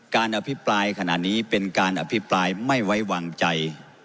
อภิปรายขณะนี้เป็นการอภิปรายไม่ไว้วางใจ